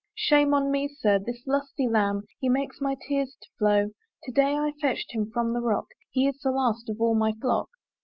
"Shame on me, Sir! this lusty lamb, He makes my tears to flow. To day I fetched him from the rock; He is the last of all my flock.